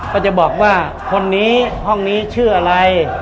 ก็จะบอกว่าคนนี้ห้องนี้ชื่ออะไร